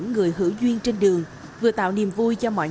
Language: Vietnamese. mình khuyên các bạn vẫn nên làm màu